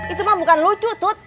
itu mam bukan lucu tut